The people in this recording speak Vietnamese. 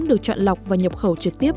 được chọn lọc và nhập khẩu trực tiếp